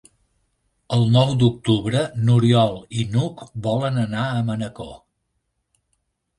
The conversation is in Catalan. El nou d'octubre n'Oriol i n'Hug volen anar a Manacor.